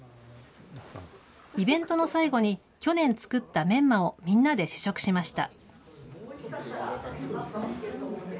イベントの最後に、去年作ったメンマをみんなで試食しました。